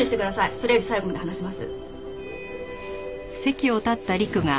とりあえず最後まで話します。